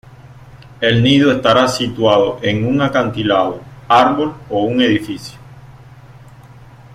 El nido estará situado en un acantilado, árbol o un edificio.